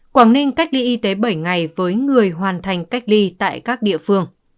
quảng ninh cách ly y tế bảy ngày với người hoàn thành cách ly tại các địa phương